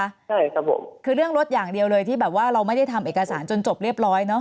ใช่ครับผมคือเรื่องรถอย่างเดียวเลยที่แบบว่าเราไม่ได้ทำเอกสารจนจบเรียบร้อยเนอะ